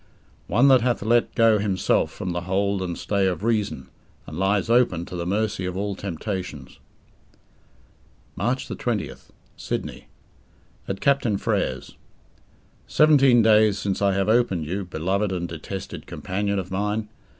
"One that hath let go himself from the hold and stay of reason, and lies open to the mercy of all temptations." March 20th. Sydney. At Captain Frere's. Seventeen days since I have opened you, beloved and detested companion of mine.